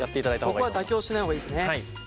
ここは妥協しない方がいいですね。